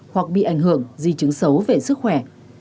hoặc bị ảnh hưởng di chứng xấu về sức khỏe